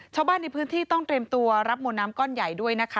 ชาวบ้านในพื้นที่ต้องเตรียมตัวรับมวลน้ำก้อนใหญ่ด้วยนะคะ